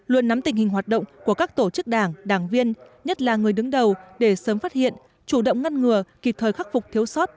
luôn nắm tình hình hoạt động của các tổ chức đảng đảng viên nhất là người đứng đầu để sớm phát hiện chủ động ngăn ngừa kịp thời khắc phục thiếu sót